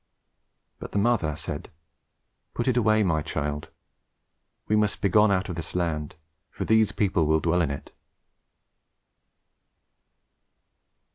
But the mother said, "Put it away, my child; we must begone out of this land, for these people will dwell in it."